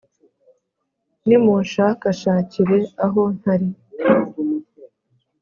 «nimunshakashakire aho ntari !»